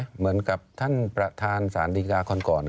เหมือนกับท่านประธานสารดีกาคนก่อน